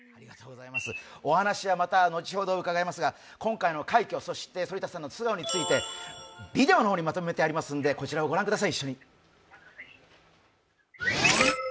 お話はまた後ほど伺いますが今回の快挙そして、反田さんの素顔についてビデオの方にまとめてありますので、一緒に御覧ください。